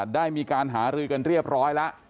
ได้มีการหารือกันเรียบร้อยแล้ว